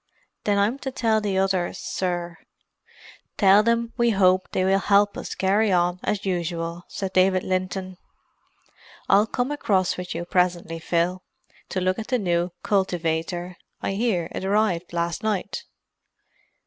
Then I'm to tell the others, sir——" "Tell them we hope they will help us to carry on as usual," said David Linton. "I'll come across with you presently, Phil, to look at the new cultivator: I hear it arrived last night."